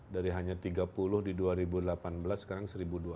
dari hanya tiga puluh di dua ribu delapan belas sekarang satu dua ratus